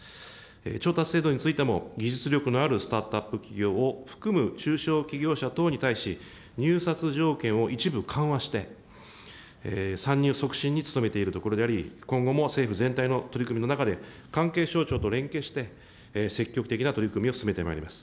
調達制度についても、技術力のあるスタートアップ企業を含む中小企業者等に対し、入札条件を一部緩和して、参入促進に努めているところであり、今後も政府全体の取り組みの中で、関係省庁と連携して、積極的な取り組みを進めてまいります。